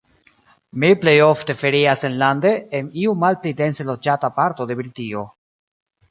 Mi plejofte ferias enlande, en iu malpli dense loĝata parto de Britio.